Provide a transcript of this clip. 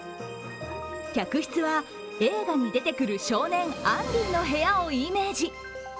客室は、映画に出てくる少年アンディの部屋をイメージ。